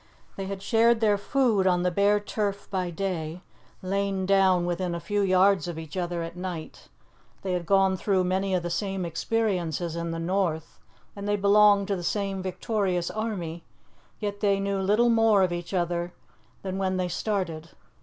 They had shared their food on the bare turf by day, lain down within a few yards of each other at night; they had gone through many of the same experiences in the North, and they belonged to the same victorious army, yet they knew little more of each other than when they started.